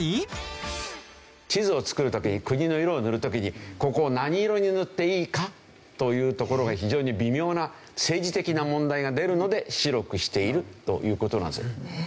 地図を作る時国の色を塗る時にここを何色に塗っていいかというところが非常に微妙な政治的な問題が出るので白くしているという事なんですよ。